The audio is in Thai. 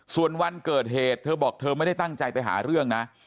ส่วนวันเกิดเหตุเธอบอกเธอไม่ได้ตั้งใจไปหาเรื่องนะ